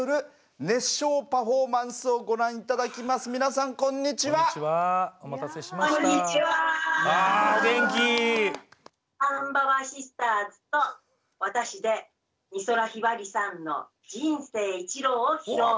さんばばシスターズと私で美空ひばりさんの「人生一路」を披露。